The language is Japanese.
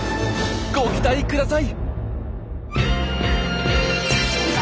ご期待ください！